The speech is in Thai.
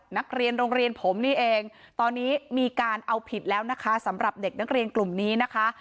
นักเรียนโรงเรียนผมนี่เองตอนนี้มีการเอาผิดแล้วนะคะสำหรับเด็กนักเรียนกลุ่มนี้นะคะ